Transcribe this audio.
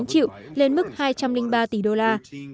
ngành bảo hiểm này phải gánh chịu lên mức hai trăm linh ba tỷ đô la